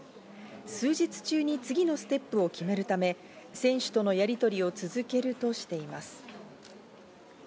数日中に次のステップを決めるため選手とのやりとりを続けるとしています。